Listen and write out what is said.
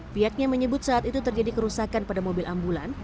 pihaknya menyebut saat itu terjadi kerusakan pada mobil ambulan